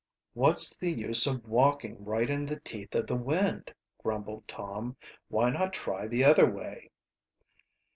"What's the use of walking right in the teeth of the wind," grumbled Tom. "Why not try the other way?"